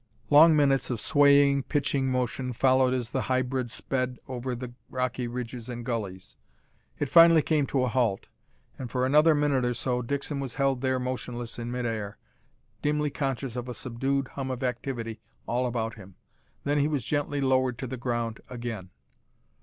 Long minutes of swaying, pitching motion followed as the hybrid sped over the rocky ridges and gullies. It finally came to a halt, and for another minute or so Dixon was held there motionless in mid air, dimly conscious of a subdued hum of activity all about him. Then he was gently lowered to the ground again.